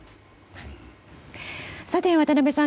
さて、渡辺さん